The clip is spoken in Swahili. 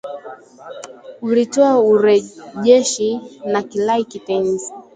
uliotoa urejeshi na kirai kitenzi